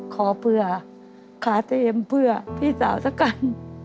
ขอเพื่อขาเทียมเพื่อพี่สาวสกัล